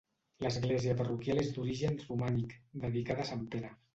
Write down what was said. L'església parroquial és d'origen romànic, dedicada a sant Pere.